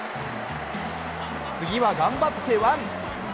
次は頑張ってワン！